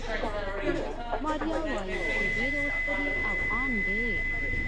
ماریا وايي، د ډېرې اوسپنې او ان ډېر